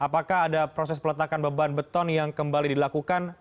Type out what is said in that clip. apakah ada proses peletakan beban beton yang kembali dilakukan